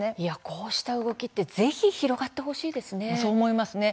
こうした動きってぜひ、広がってほしいですね。